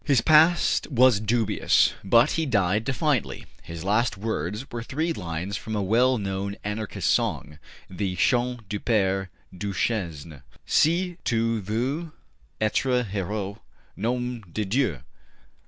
His past was dubious, but he died defiantly; his last words were three lines from a well known Anarchist song, the ``Chant du Pere Duchesne'': Si tu veux etre heureux, Nom de Dieu!